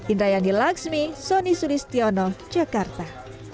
indra yandi laksmi soni sulistiono jakarta